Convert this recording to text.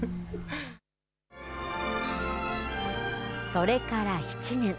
それから７年。